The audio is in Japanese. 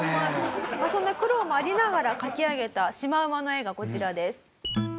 そんな苦労もありながら描き上げたシマウマの絵がこちらです。